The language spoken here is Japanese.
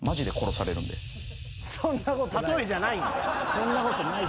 そんなことない。